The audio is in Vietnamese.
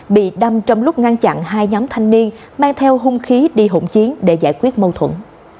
bị đâm trong lúc ngăn chặn hai nhóm thanh niên mang theo hung khí đi hỗn chiến để giải quyết mâu thuẫn